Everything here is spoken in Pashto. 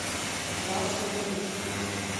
لاس يې ونیو.